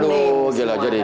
dia menyelamatkan semua